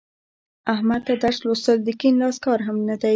احمد ته درس لوستل د کیڼ لاس کار هم نه دی.